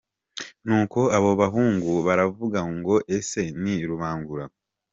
Nuko abo bahungu baravuga ngo ese ni Rubangura?